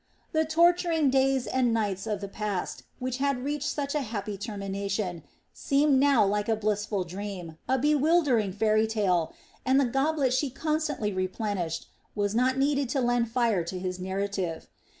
The torturing days and nights of the past, which had reached such a happy termination, seemed now like a blissful dream, a bewildering fairy tale, and the goblet she constantly replenished was not needed to lend fire to his narrative.